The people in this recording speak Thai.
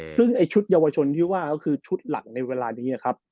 ซึ่งไอ้ชุดเยาวชนที่ว่าก็คือชุดหลักในเวลานี้ครับ